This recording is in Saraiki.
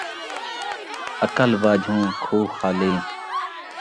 عقل ٻاجھوں کھوہ خالی